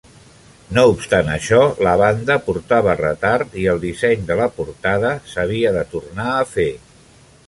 No obstant això, la banda portava retard i el disseny de la portada s'havia de tornar a fer.